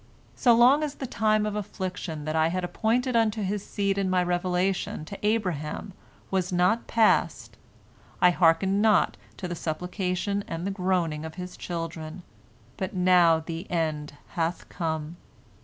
So long as the time of affliction that I had appointed unto his seed in My revelation to Abraham was not past, I hearkened not to the supplication and the groaning of his children, but now the end hath come.